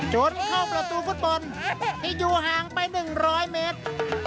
จนเข้าประตูข้างบนที่อยู่ห่างไปหนึ่งร้อยเมตร